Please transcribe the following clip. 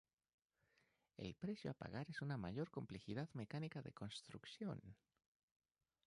El precio a pagar es una mayor complejidad mecánica de construcción.